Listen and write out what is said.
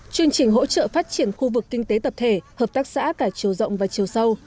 chương trình hỗ trợ phát triển khu vực kinh tế tập thể hợp tác xã cả chiều rộng và chiều sâu